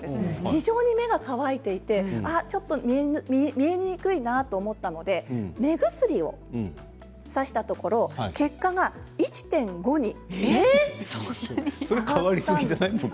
非常に目が乾いていてちょっと見えにくいなと思ったので目薬をさしたところ結果が１．５に。